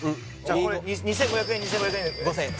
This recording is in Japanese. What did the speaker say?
これ２５００円２５００円で５０００円？